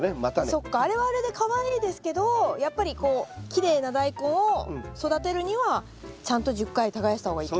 そっかあれはあれでかわいいですけどやっぱりこうきれいなダイコンを育てるにはちゃんと１０回耕した方がいいと。